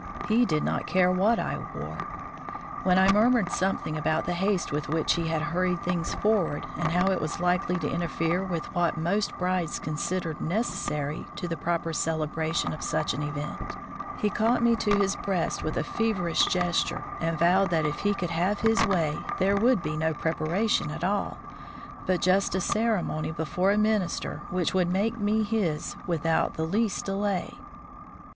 He did not care what I wore. When I murmured something about the haste with which he had hurried things forward, and how it was likely to interfere with what most brides considered necessary to the proper celebration of such an event, he caught me to his breast with a feverish gesture and vowed that if he could have his way, there would be no preparation at all, but just a ceremony before a minister which would make me his without the least delay.